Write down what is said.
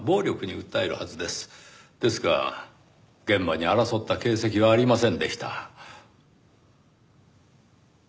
ですが現場に争った形跡はありませんでした。